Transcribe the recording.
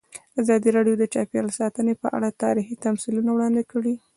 ازادي راډیو د چاپیریال ساتنه په اړه تاریخي تمثیلونه وړاندې کړي.